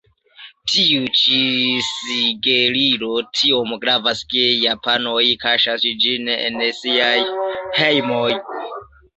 Tiu ĉi sigelilo tiom gravas, ke japanoj kaŝas ĝin en siaj hejmoj.